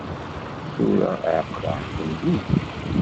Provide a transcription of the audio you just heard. Tura εeqleɣ-ken-id.